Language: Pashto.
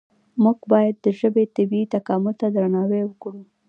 موږ باید د ژبې طبیعي تکامل ته درناوی وکړو.